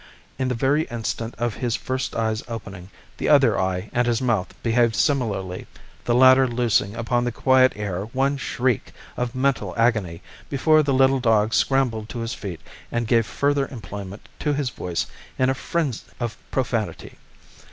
In the very instant of his first eye's opening, the other eye and his mouth behaved similarly, the latter loosing upon the quiet air one shriek of mental agony before the little dog scrambled to his feet and gave further employment to his voice in a frenzy of profanity.